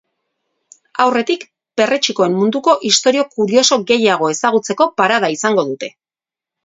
Aurretik, perretxikoen munduko istorio kurioso gehiago ezagutzeko parada izango dute.